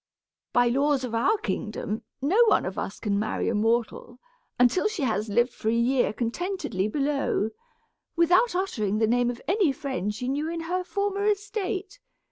By the laws of our kingdom, no one of us can marry a mortal, until she has lived for a year contentedly below, without uttering the name of any friend she knew in her former estate.